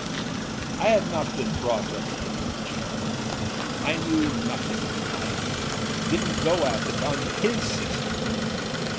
I had not been brought up from the germ, I knew nothing of lifeâdidnât go at it on his system.